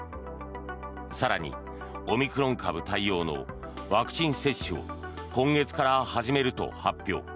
更に、オミクロン株対応のワクチン接種を今月から始めると発表。